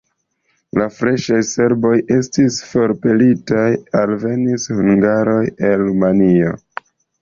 La freŝaj serboj estis forpelitaj, alvenis hungaroj el Rumanio.